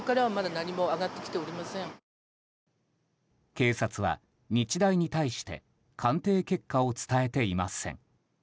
警察は日大に対して鑑定結果を伝えていません。